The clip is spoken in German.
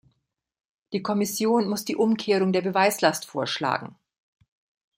Die Kommission muss die Umkehrung der Beweislast vorschlagen.